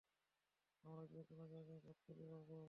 আমরা যেকোন জায়গায় মদ খুঁজে পাব।